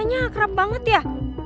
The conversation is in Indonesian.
katanya akrab banget ya